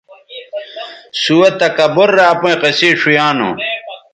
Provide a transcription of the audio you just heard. سُوہ تکبُر رے اپئیں قصے ݜؤیانوں